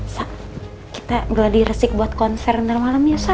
sa kita belah di resik buat konser nanti malem ya sa